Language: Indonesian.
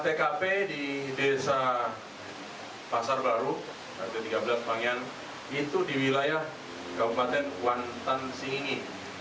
setelah tkp di desa pasar baru kecamatan pangean itu di wilayah kabupaten kuantan singgigi